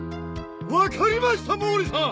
分かりました毛利さん！